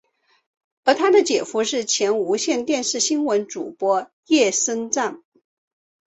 而他的姐夫是前无线电视新闻主播叶升瓒。